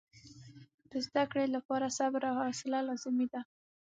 د زده کړې لپاره صبر او حوصله لازمي وه.